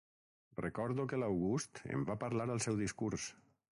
Recordo que l'August en va parlar al seu discurs.